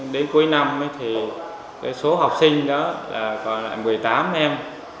đến cuối năm thì số học sinh còn lại một mươi tám em